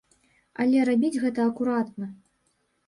Але рабіць гэта акуратна.